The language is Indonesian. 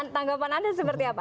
tanggapan anda seperti apa